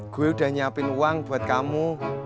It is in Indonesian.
gue udah nyiapin uang buat kamu